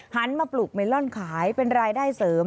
หันมาปลูกเมลอนขายเป็นรายได้เสริม